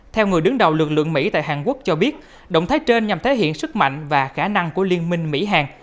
theo người đứng đầu lực lượng mỹ tại hàn quốc cho biết động thái trên nhằm thể hiện sức mạnh và khả năng của liên minh mỹ hàn